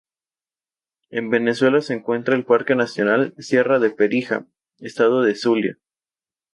En Venezuela se encuentra en el parque nacional Sierra de Perijá, estado Zulia.